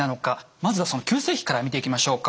まずは急性期から見ていきましょうか。